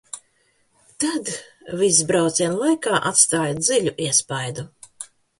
Tad viss brauciena laikā atstāja dziļu iespaidu.